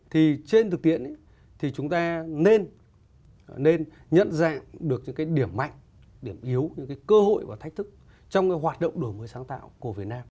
thì trên thực tiện thì chúng ta nên nhận dạng được những cái điểm mạnh điểm yếu những cái cơ hội và thách thức trong cái hoạt động đổi mới sáng tạo của việt nam